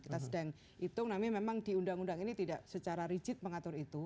kita sedang hitung namanya memang di undang undang ini tidak secara rigid mengatur itu